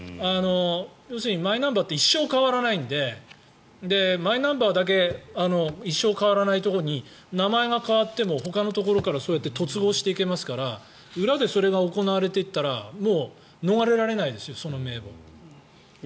要するにマイナンバーって一生変わらないんでマイナンバーだけ一生変わらないところに名前が変わってもほかのところからそうやって突合していけますから裏でそれが行われていったら逃れられないですよ、その名簿。